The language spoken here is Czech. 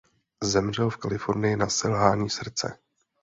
Zemřel v Kalifornii na selhání srdce.